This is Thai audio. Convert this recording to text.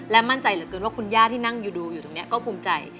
มั่นใจเหลือเกินว่าคุณย่าที่นั่งอยู่ดูอยู่ตรงนี้ก็ภูมิใจ